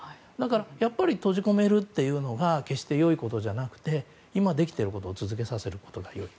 やっぱり閉じ込めるというのが決して良いことではなく今、できていることを続けさせるのがいいと。